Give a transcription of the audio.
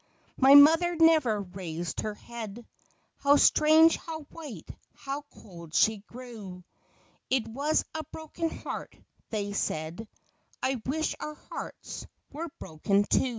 My mother never raised her head — How strange, how white, how cold she grew It was a broken heart, they said — I wish our hearts were broken too.